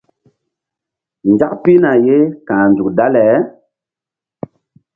Nzak pihna ye ka̧h nzuk dale.